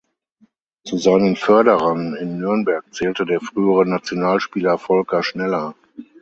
Zu seinen Förderern in Nürnberg zählte der frühere Nationalspieler Volker Schneller.